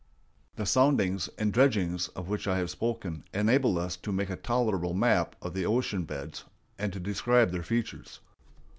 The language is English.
The soundings and dredgings of which I have spoken enable us to make a tolerable map of the ocean beds and to describe their features.